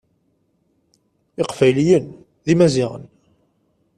Iqbayliyen d imaziɣen.